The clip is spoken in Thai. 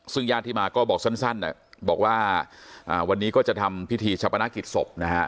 ซึ่งญาติที่มาก็บอกสั้นบอกว่าวันนี้ก็จะทำพิธีชะพนักกิจศพนะฮะ